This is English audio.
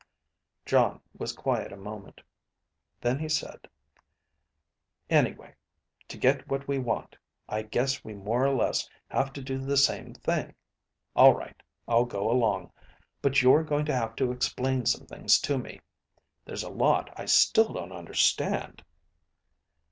Jon was quiet a moment. Then he said, "Anyway, to get what we want, I guess we more or less have to do the same thing. All right, I'll go along. But you're going to have to explain some things to me. There's a lot I still don't understand."